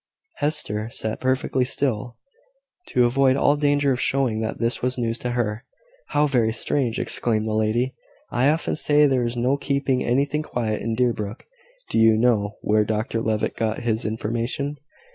Hester sat perfectly still, to avoid all danger of showing that this was news to her. "How very strange!" exclaimed the lady. "I often say there is no keeping anything quiet in Deerbrook. Do you know where Dr Levitt got his information?"